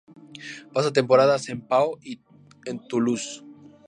Pasa temporadas en Pau y en Toulouse.